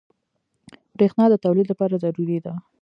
بریښنا د تولید لپاره ضروري ده.